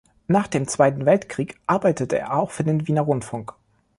Nach dem Zweiten Weltkrieg arbeitete er auch für den Wiener Rundfunk.